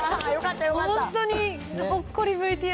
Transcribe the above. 本当にほっこりＶＴＲ。